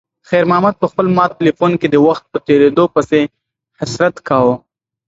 خیر محمد په خپل مات تلیفون کې د وخت په تېریدو پسې حسرت کاوه.